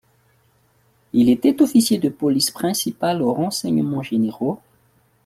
Il était officier de Police principal aux Renseignements Généraux.